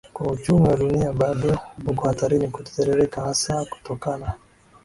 kuwa uchumi wa dunia bado uko hatarini kutetereka hasa kutokana